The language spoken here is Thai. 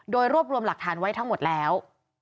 โดยรวบรวมหลักฐานไว้ทั้งหมดแล้ว